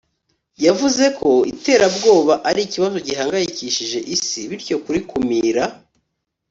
yavuze ko iterabwoba ari ikibazo gihangayikishije Isi bityo kurikumira